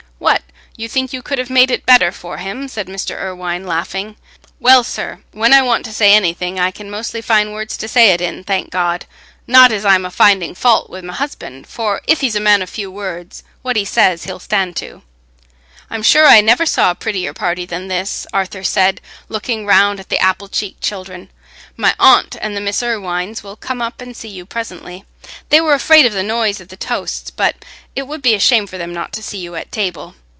"What! you think you could have made it better for him?" said Mr. Irwine, laughing. "Well, sir, when I want to say anything, I can mostly find words to say it in, thank God. Not as I'm a finding faut wi' my husband, for if he's a man o' few words, what he says he'll stand to." "I'm sure I never saw a prettier party than this," Arthur said, looking round at the apple cheeked children. "My aunt and the Miss Irwines will come up and see you presently. They were afraid of the noise of the toasts, but it would be a shame for them not to see you at table."